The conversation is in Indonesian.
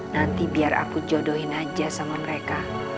nanti biar aku jodohin aja sama mereka